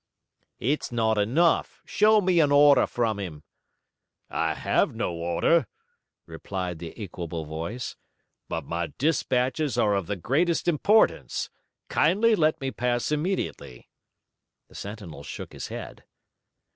"It's not enough. Show me an order from him." "I have no order," replied the equable voice, "but my dispatches are of the greatest importance. Kindly let me pass immediately." The sentinel shook his head.